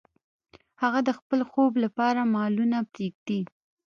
هغه د خپل خوب لپاره مالونه پریږدي.